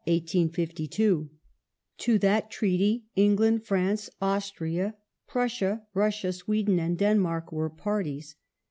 Treaty of To that treaty, England, France, Austria, Prussia, Russia, /jg" ?" Sweden, and Denmark were parties.